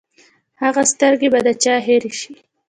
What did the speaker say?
هغه سترګې به د چا هېرې شي!